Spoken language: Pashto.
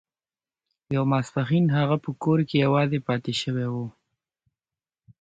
یو ماسپښین هغه په کور کې یوازې پاتې شوی و